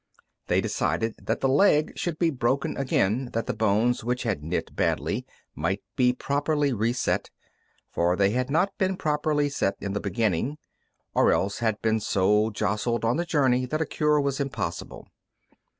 They decided that the leg should be broken again, that the bones, which had knit badly, might be properly reset; for they had not been properly set in the beginning, or else had been so jostled on the journey that a cure was impossible.